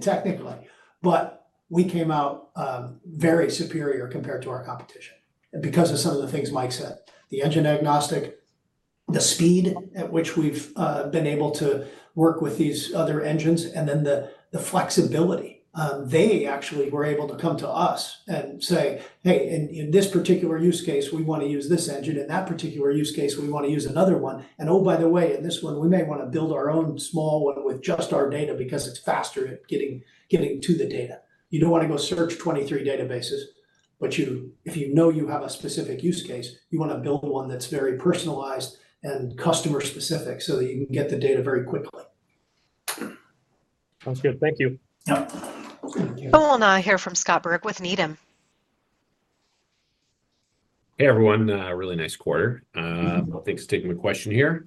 technically, but we came out very superior compared to our competition and because of some of the things Mike said. The engine-agnostic, the speed at which we've been able to work with these other engines, and then the flexibility. They actually were able to come to us and say, "Hey, in this particular use case, we want to use this engine. In that particular use case, we want to use another one. And oh, by the way, in this one, we may want to build our own small one with just our data because it's faster at getting to the data." You don't want to go search 23 databases, but you, if you know you have a specific use case, you want to build one that's very personalized and customer specific, so that you can get the data very quickly. Sounds good. Thank you. Yep. We'll now hear from Scott Berg with Needham. Hey, everyone. Really nice quarter. Thanks for taking my question here.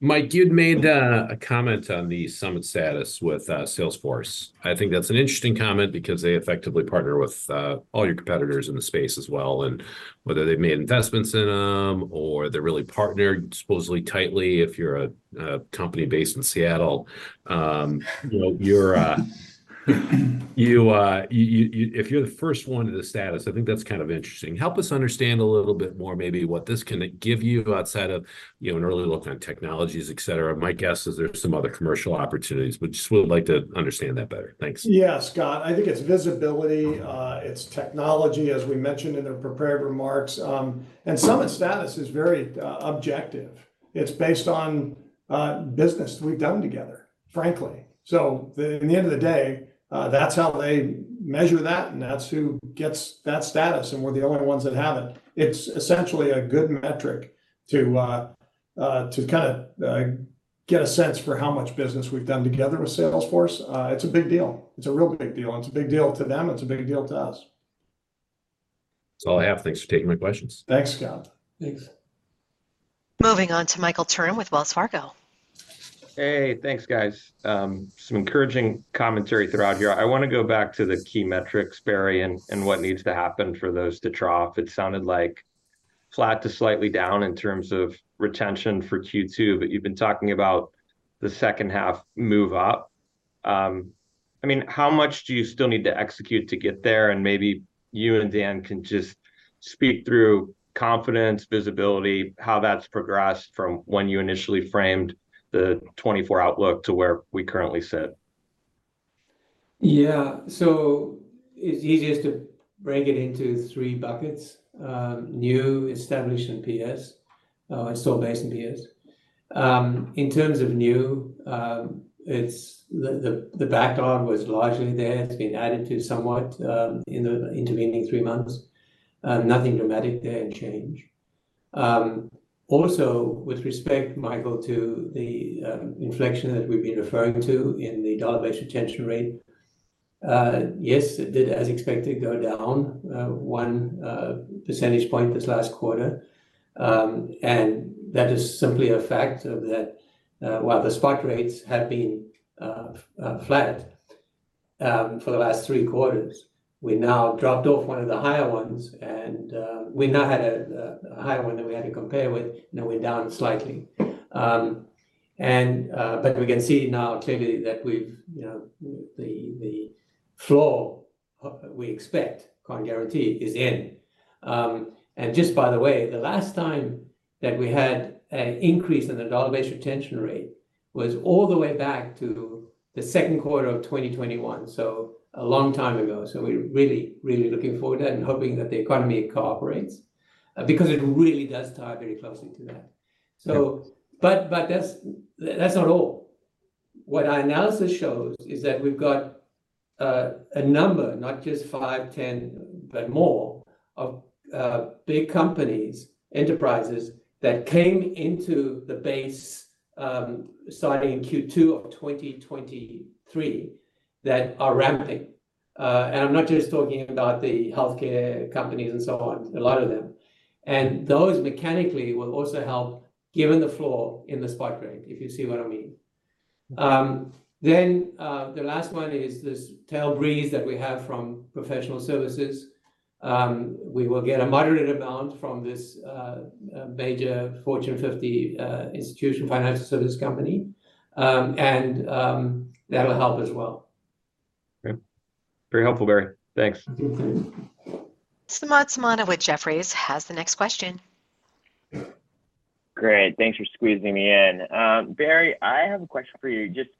Mike, you'd made a comment on the Summit status with Salesforce. I think that's an interesting comment because they effectively partner with all your competitors in the space as well, and whether they've made investments in them or they're really partnered, supposedly tightly, if you're a company based in Seattle, you know, if you're the first one to the status, I think that's kind of interesting. Help us understand a little bit more maybe what this can give you outside of, you know, an early look on technologies, et cetera. My guess is there's some other commercial opportunities, but just would like to understand that better. Thanks. Yeah, Scott, I think it's visibility, it's technology, as we mentioned in the prepared remarks. And Summit status is very objective. It's based on business we've done together, frankly. So at the end of the day, that's how they measure that, and that's who gets that status, and we're the only ones that have it. It's essentially a good metric to kind of get a sense for how much business we've done together with Salesforce, it's a big deal. It's a real big deal. It's a big deal to them, it's a big deal to us. That's all I have. Thanks for taking my questions. Thanks, Scott. Thanks. Moving on to Michael Turrin with Wells Fargo. Hey, thanks, guys. Some encouraging commentary throughout here. I wanna go back to the key metrics, Barry, and what needs to happen for those to drop. It sounded like flat to slightly down in terms of retention for Q2, but you've been talking about the second half move up. I mean, how much do you still need to execute to get there? And maybe you and Dan can just speak through confidence, visibility, how that's progressed from when you initially framed the 2024 outlook to where we currently sit. Yeah. So it's easiest to break it into three buckets. New, established, and PS install base and PS. In terms of new, it's the backlog was largely there. It's been added to somewhat in the intervening three months. Nothing dramatic there in change. Also, with respect, Michael, to the inflection that we've been referring to in the dollar-based retention rate, yes, it did, as expected, go down one percentage point this last quarter. And that is simply a fact of that while the spot rates have been flat for the last three quarters, we now dropped off one of the higher ones, and we now had a higher one than we had to compare with, and then went down slightly. But we can see now clearly that we've, you know, the floor we expect, can't guarantee, is in. And just by the way, the last time that we had an increase in the dollar-based retention rate was all the way back to the second quarter of 2021, so a long time ago. So we're really, really looking forward to it and hoping that the economy cooperates, because it really does tie very closely to that. So, but, but that's, that's not all. What our analysis shows is that we've got, a number, not just 5, 10, but more of, big companies, enterprises, that came into the base, starting in Q2 of 2023, that are ramping. And I'm not just talking about the healthcare companies and so on, a lot of them. And those mechanically will also help, given the floor in the spot rate, if you see what I mean. Then, the last one is this tailwind that we have from professional services. We will get a moderate amount from this major Fortune 50 institution, financial service company. And that'll help as well. Great. Very helpful, Barry. Thanks. Thank you. Samad Samana with Jefferies has the next question. Great, thanks for squeezing me in. Barry, I have a question for you. Just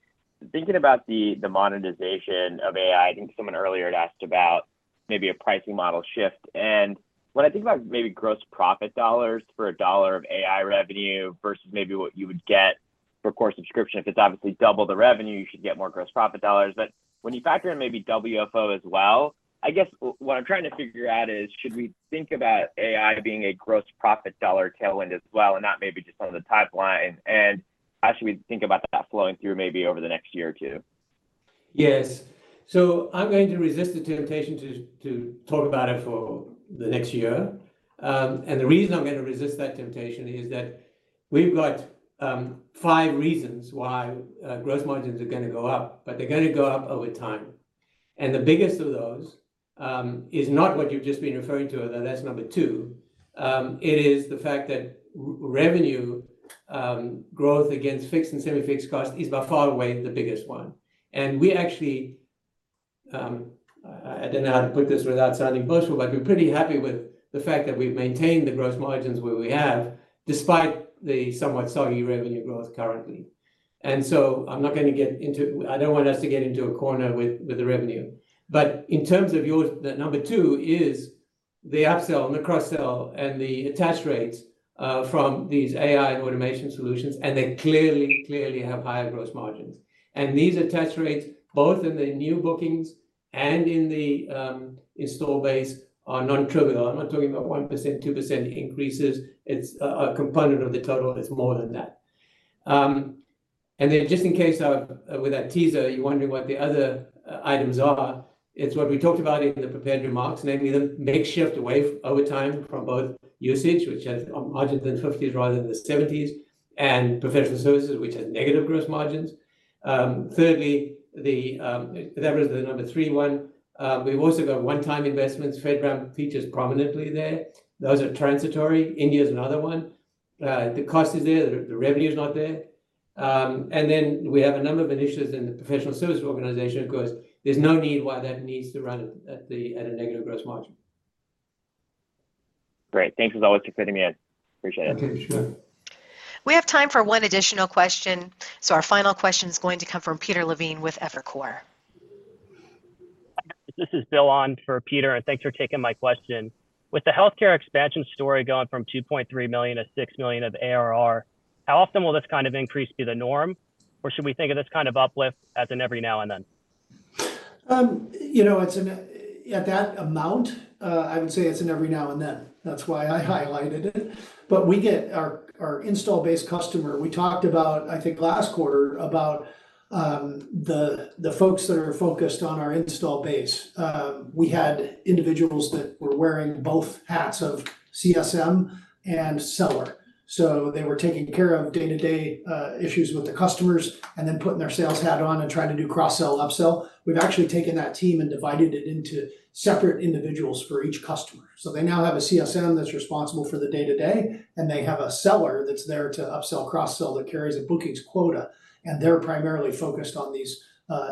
thinking about the monetization of AI, I think someone earlier had asked about maybe a pricing model shift. And when I think about maybe gross profit dollars for a dollar of AI revenue versus maybe what you would get for core subscription, if it's obviously double the revenue, you should get more gross profit dollars. But when you factor in maybe WFO as well, I guess what I'm trying to figure out is, should we think about AI being a gross profit dollar tailwind as well, and not maybe just on the top line? And how should we think about that flowing through maybe over the next year or two? Yes. So I'm going to resist the temptation to talk about it for the next year. And the reason I'm gonna resist that temptation is that we've got five reasons why gross margins are gonna go up, but they're gonna go up over time. And the biggest of those is not what you've just been referring to, although that's number two. It is the fact that revenue growth against fixed and semi-fixed costs is by far the biggest one. And we actually, I don't know how to put this without sounding boastful, but we're pretty happy with the fact that we've maintained the gross margins where we have, despite the somewhat soggy revenue growth currently. And so I'm not gonna get into - I don't want us to get into a corner with the revenue. But in terms of your... The number 2 is the upsell and the cross-sell and the attach rates from these AI and automation solutions, and they clearly, clearly have higher gross margins. And these attach rates, both in the new bookings and in the install base, are non-trivial. I'm not talking about 1%, 2% increases. It's a component of the total that's more than that. And then just in case with that teaser, you're wondering what the other items are, it's what we talked about in the prepared remarks, namely, the migration away over time from both usage, which has margins in the 50s% rather than the 70s%, and professional services, which has negative gross margins. Thirdly, that was the number 3 one. We've also got one-time investments. FedRAMP features prominently there. Those are transitory. India is another one. The cost is there, the revenue is not there. And then we have a number of initiatives in the professional services organization. Of course, there's no need why that needs to run at a negative gross margin. Great. Thanks as always for fitting me in. Appreciate it. Okay, sure. We have time for one additional question. Our final question is going to come from Peter Levine with Evercore. This is Bill on for Peter, and thanks for taking my question. With the healthcare expansion story going from $2.3 million-$6 million of ARR, how often will this kind of increase be the norm? Or should we think of this kind of uplift as in every now and then? You know, it's an at that amount, I would say it's an every now and then. That's why I highlighted it. But we get our install base customer. We talked about, I think, last quarter, about the folks that are focused on our install base. We had individuals that were wearing both hats of CSM and seller. So they were taking care of day-to-day issues with the customers and then putting their sales hat on and trying to do cross-sell, upsell. We've actually taken that team and divided it into separate individuals for each customer. So they now have a CSM that's responsible for the day-to-day, and they have a seller that's there to upsell, cross-sell, that carries a bookings quota, and they're primarily focused on these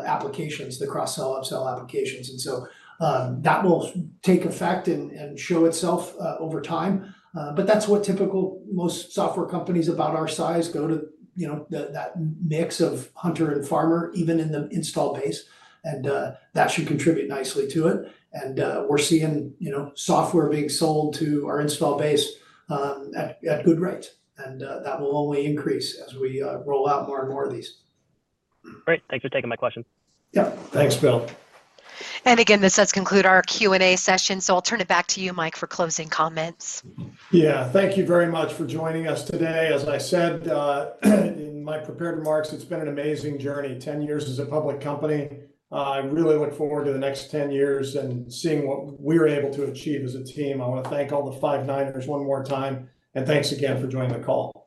applications, the cross-sell, upsell applications. And so, that will take effect and show itself over time. But that's what typical most software companies about our size go to, you know, that mix of hunter and farmer, even in the install base, and that should contribute nicely to it. And we're seeing, you know, software being sold to our install base at good rates, and that will only increase as we roll out more and more of these. Great. Thanks for taking my question. Yeah. Thanks, Bill. Again, this does conclude our Q&A session, so I'll turn it back to you, Mike, for closing comments. Yeah, thank you very much for joining us today. As I said in my prepared remarks, it's been an amazing journey, 10 years as a public company. I really look forward to the next 10 years and seeing what we're able to achieve as a team. I wanna thank all the Five Niners one more time, and thanks again for joining the call.